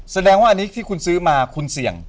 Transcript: แสดงว่าอันนี้ที่คุณซื้อมาคุณเสี่ยง